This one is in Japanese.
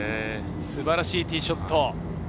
素晴らしいティーショット。